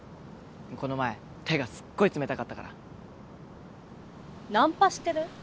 この前手がすっごい冷たかったからナンパしてる？